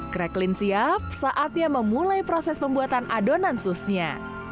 croqueline siap saatnya memulai proses pembuatan adonan sousnya